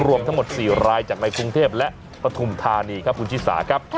รวมทั้งหมด๔รายจากในกรุงเทพและปฐุมธานีครับคุณชิสาครับ